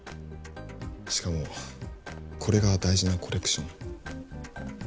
しかもこれが大事なコレクション？